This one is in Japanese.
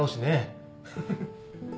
フフフフッ。